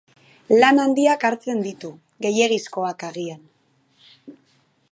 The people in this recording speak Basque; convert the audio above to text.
Lan handiak hartzen ditu, gehiegizkoak, agian.